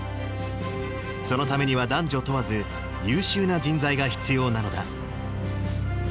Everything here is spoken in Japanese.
そのためには男女問わず、優秀な人材が必要なのだ。